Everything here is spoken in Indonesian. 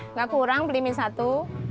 nggak kurang beli mie satu